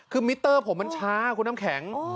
คือมิเตอร์ผมมันช้าคุณน้ำแข็ง